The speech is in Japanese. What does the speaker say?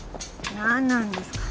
何なんですか？